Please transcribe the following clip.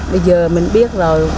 bây giờ mình biết rồi